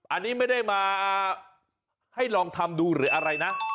อันนี้ไม่ได้มาให้ลองทำดูหรืออะไรนะ